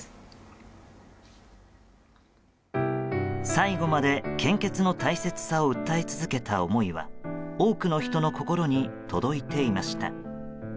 最期まで献血の大切さを訴え続けた思いは多くの人の心に届いていました。